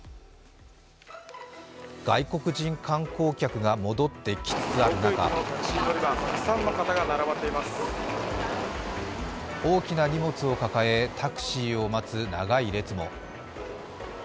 外国人観光客が戻ってきつつある中大きな荷物を抱えタクシーを待つ長い列も。